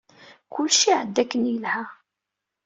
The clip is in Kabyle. Kullec iɛedda akken yelha.